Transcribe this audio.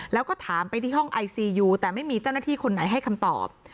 แล้วก็ถามไปที่ห้องไอซียูแต่ไม่มีเจ้าหน้าที่คนไหนให้คำตอบ